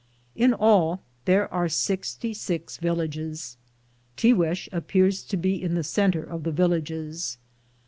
In all, there are sixty six villages. Tiguex appears to be in the center of the villages.